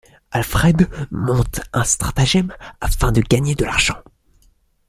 Alfred monte un stratagème afin de gagner de l'argent.